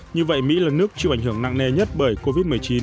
như vậy mỹ là nước chịu ảnh hưởng nặng nề nhất bởi covid một mươi chín